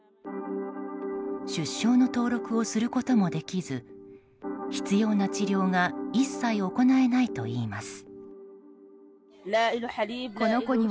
出生の登録をすることもできず必要な治療が一切行えないといいます。